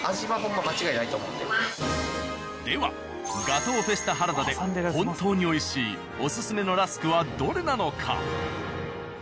では「ガトーフェスタハラダ」で本当に美味しいおすすめのラスクはどれなのか。